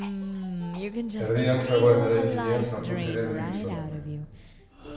Erdian zegoen eraikinean sartu ziren bi gizonak.